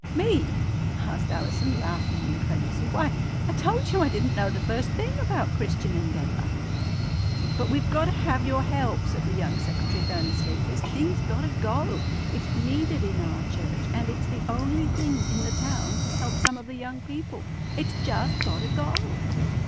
"Me?" asked Allison, laughing incredulously. "Why, I told you I didn't know the first thing about Christian Endeavor." "But we've gotta have your help," said the young secretary earnestly. "This thing's gotta go! It's needed in our church, and it's the only thing in the town to help some of the young people. It's just gotta go!"